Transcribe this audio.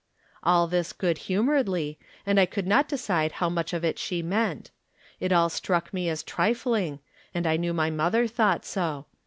All this good humoredly, and I could not de cide how much of it she meant. It all struck me as trifling, and I knew my mother thought so.